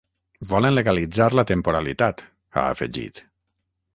Volen legalitzar la temporalitat, ha afegit.